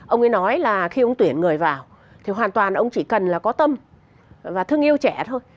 ông ấy nói là khi ông tuyển người vào thì hoàn toàn ông chỉ cần là có tâm và thương yêu trẻ thôi